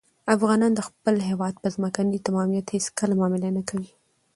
افغانان د خپل هېواد په ځمکنۍ تمامیت هېڅکله معامله نه کوي.